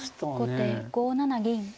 後手５七銀。